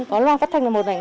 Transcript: có loa phát thanh là một ảnh